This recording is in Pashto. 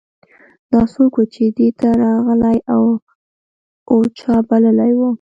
دا څوک و چې دې ته راغلی و او چا بللی و